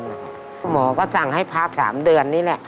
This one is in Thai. หมอก็สั่งให้พัก๓เดือนนี่แหละ